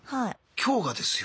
今日がですよ。